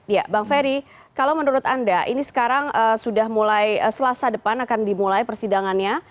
ya bang ferry kalau menurut anda ini sekarang sudah mulai selasa depan akan dimulai persidangannya